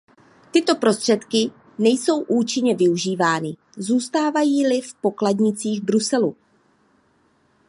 Tyto prostředky nejsou účinně využívány, zůstávají-li v pokladnicích Bruselu.